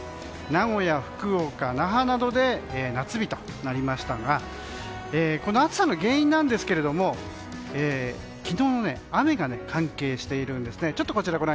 名古屋、福岡那覇などで夏日となりましたがこの暑さの原因ですが昨日の雨が関係しているんです。